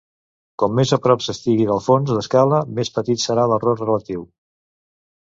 Com més a prop s'estigui del fons d'escala més petit serà l'error relatiu.